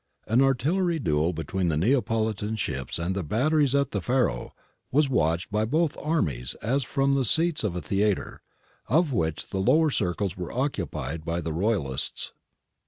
An artillery duel between the Neapolitan ships and the batteries at the Faro was watched by both armies as from the seats of a theatre, of which the lower circles were occupied by the Royalists.